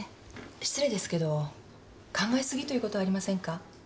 失礼ですけど考え過ぎということはありませんか？